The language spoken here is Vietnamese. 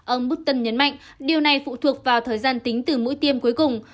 ông putin nhấn mạnh điều này phụ thuộc vào thời gian tính từ mũi tiêm cuối cùng